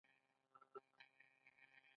کښتۍ له ټولې نړۍ هلته راځي.